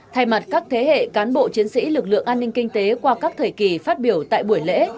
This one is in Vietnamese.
thay mặt các thế hệ cán bộ chiến sĩ lực lượng an ninh kinh tế qua các thời kỳ phát biểu tại buổi lễ